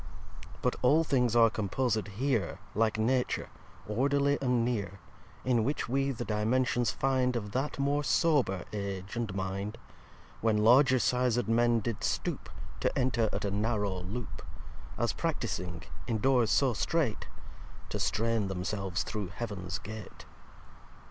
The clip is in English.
iv But all things are composed here Like Nature, orderly and near: In which we the Dimensions find Of that more sober Age and Mind, When larger sized Men did stoop To enter at a narrow loop; As practising, in doors so strait, To strain themselves through Heavens Gate.